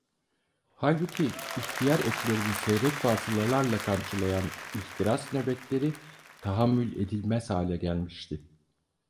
Halbuki ihtiyar etlerini seyrek fasılalarla kamçılayan ihtiras nöbetleri tahammül edilmez hale gelmişti.